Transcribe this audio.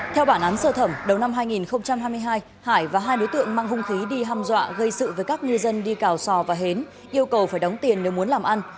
theo bản án sơ thẩm đầu năm hai nghìn hai mươi hai hải và hai đối tượng mang hung khí đi hăm dọa gây sự với các ngư dân đi cào sò và hến yêu cầu phải đóng tiền nếu muốn làm ăn